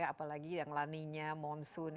apalagi yang laninya monsternya